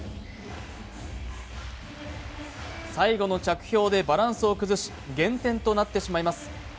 最後の着氷でバランスを崩し減点となってしまいます。